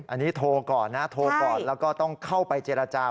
อันนี้โทรก่อนนะโทรก่อนแล้วก็ต้องเข้าไปเจรจา